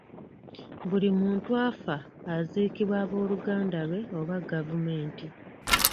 Buli muntu afa aziikibwa abooluganda lwe oba gavumenti.